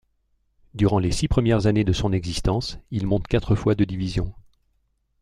Durant les six premières années de son existence, il monte quatre fois de division.